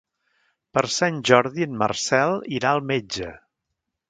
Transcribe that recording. Per Sant Jordi en Marcel irà al metge.